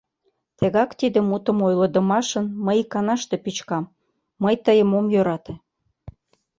Тегак тиде мутым ойлыдымашын мый иканаште пӱчкам: мый тыйым ом йӧрате...